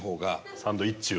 「サンドイッチ」より。